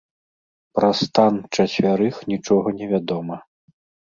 Пра стан чацвярых нічога не вядома.